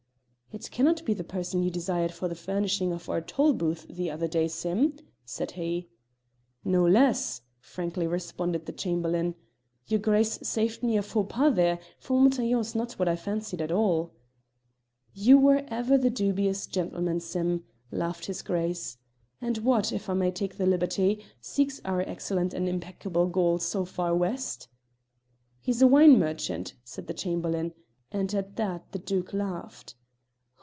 "It cannot be the person you desired for the furnishing of our tolbooth the other day, Sim?" said he. "No less," frankly responded the Chamberlain. "Your Grace saved me a faux pas there, for Montaiglon is not what I fancied at all." "You were ever the dubious gentleman, Sim," laughed his Grace. "And what if I may take the liberty seeks our excellent and impeccable Gaul so far west?" "He's a wine merchant," said the Chamberlain, and at that the Duke laughed.